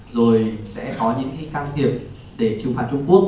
rồi sẽ có những căng hiệp để trừng phạt trung quốc